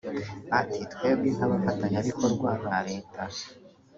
Ati” Twebwe nk’abafatanyabikorwa ba leta